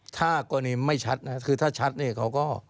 ถ้ในกรณีไม่ชัดนะคือถ้าชัดเขาก็